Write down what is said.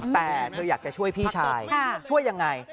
แต่เธออยากจะช่วยพี่ชายช่วยยังไง